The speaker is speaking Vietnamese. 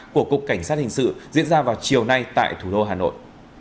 của cục cảnh sát hình sự diễn ra vào chiều nay tại thủ đô hà nội